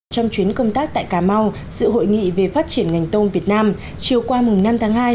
trong chuyến công tác tại cà mau sự hội nghị về phát triển ngành tôm việt nam chiều qua năm tháng hai